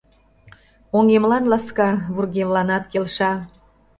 Оҥемлан ласка, вургемланат келша!